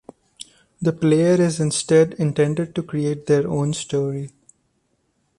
The player is instead intended to create their own story.